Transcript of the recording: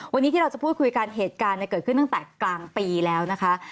วันนี้ที่เราจะพูดคุยกันเหตุการณ์เกิดขึ้นตั้งแต่กลางปีแล้วนะคะ